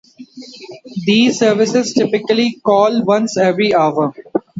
These services typically call once every hour.